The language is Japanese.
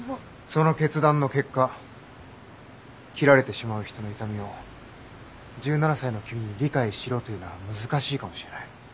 その決断の結果切られてしまう人の痛みを１７才の君に理解しろというのは難しいかもしれない。